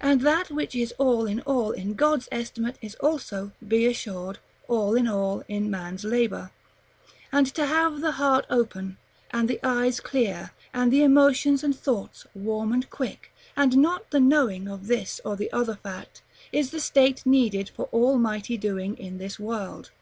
And that which is all in all in God's estimate is also, be assured, all in all in man's labor; and to have the heart open, and the eyes clear, and the emotions and thoughts warm and quick, and not the knowing of this or the other fact, is the state needed for all mighty doing in this world.